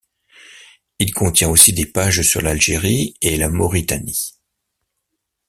Il contient aussi des pages sur l'Algérie et la Mauritanie.